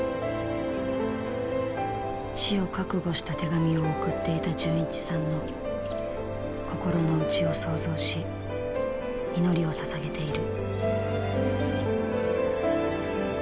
死を覚悟した手紙を送っていた循一さんの心の内を想像し祈りをささげている。